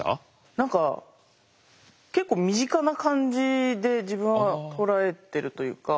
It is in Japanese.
何か結構身近な感じで自分は捉えてるというか。